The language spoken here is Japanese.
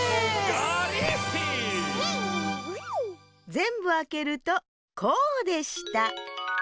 ぜんぶあけるとこうでした。